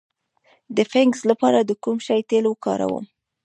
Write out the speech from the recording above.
د فنګس لپاره د کوم شي تېل وکاروم؟